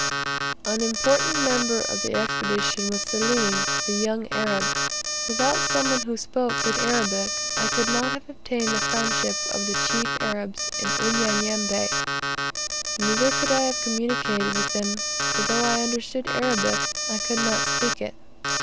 An important member of the Expedition was Selim, the young Arab. Without some one who spoke good Arabic, I could not have obtained the friendship of the chief Arabs in Unyanyembe; neither could I have well communicated with them, for though I understood Arabic, I could not speak it.